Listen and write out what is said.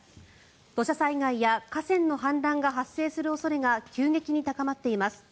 土砂災害や河川の氾濫が発生する恐れが急激に高まっています。